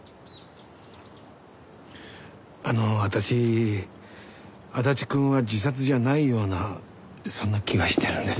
あの私足立くんは自殺じゃないようなそんな気がしてるんです。